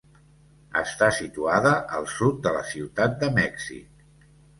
Està situada al sud de la Ciutat de Mèxic.